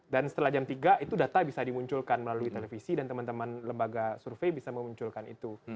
dan setelah jam tiga itu data bisa dimunculkan melalui televisi dan teman teman lembaga survei bisa memunculkan itu